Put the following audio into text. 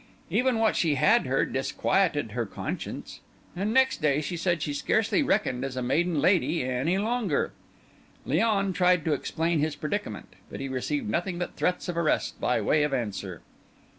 Even what she had heard disquieted her conscience; and next day she said she scarcely reckoned as a maiden lady any longer. Léon tried to explain his predicament, but he received nothing but threats of arrest by way of answer.